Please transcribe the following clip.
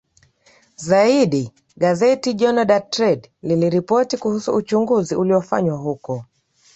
zaidi Gazeti Jornal da Tarde liliripoti kuhusu uchunguzi uliofanywa huko